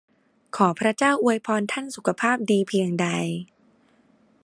ขอพระเจ้าอวยพรท่านสุขภาพดีเพียงใด !